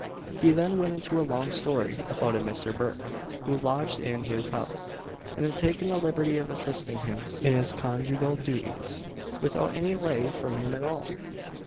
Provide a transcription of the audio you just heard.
He then went into a long story about a "Misther Burke" who lodged in his house, and had taken the liberty of assisting him in his conjugal duties, "without any lave from him at all."